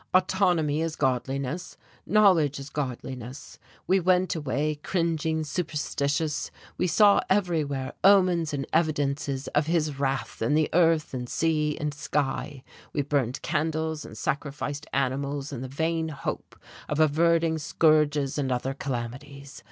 Autonomy is godliness, knowledge is godliness. We went away cringing, superstitious, we saw everywhere omens and evidences of his wrath in the earth and sea and sky, we burned candles and sacrificed animals in the vain hope of averting scourges and other calamities.